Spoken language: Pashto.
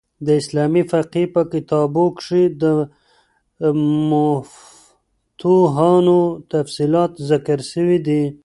د اسلامي فقهي په کتابو کښي د مفتوحانو تفصیلات ذکر سوي دي.